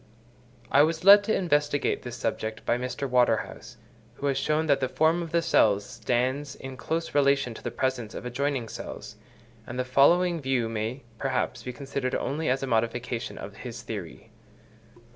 I was led to investigate this subject by Mr. Waterhouse, who has shown that the form of the cell stands in close relation to the presence of adjoining cells; and the following view may, perhaps, be considered only as a modification of his theory.